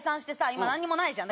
今なんにもないじゃん。